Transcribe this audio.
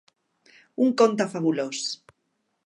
Un conte fabulós.